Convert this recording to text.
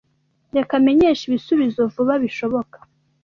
Reka menyeshe ibisubizo vuba bishoboka.